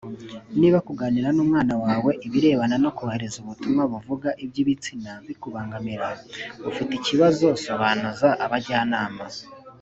Niba kuganira n’umwana wawe ibirebana no kohereza ubutumwa buvuga iby’ibitsina bikubangamira ufite ikibazo sobanuza abajyanama